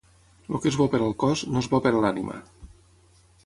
El que és bo per al cos, no és bo per a l'ànima.